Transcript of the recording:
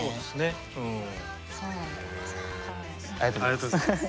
ありがとうございます。